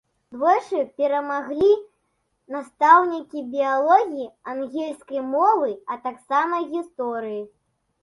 Двойчы перамагалі настаўнікі біялогіі, ангельскай мовы, а таксама гісторыі.